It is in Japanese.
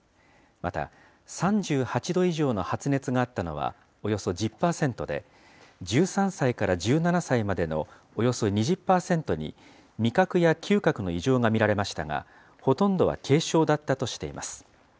また、３８度以上の発熱があったのはおよそ１０％で、１３歳から１７歳までのおよそ２０％に、味覚や嗅覚の異常が見られましたが、ほとんどは軽症だったとしています。